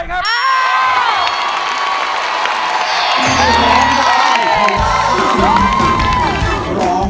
เรียงที่๑มูลค่า๑๐๐๐๐บาทคุณบุญช่วยร้อม